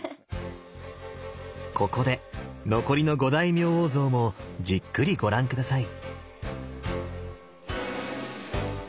ここで残りの五大明王像もじっくりご覧下さい。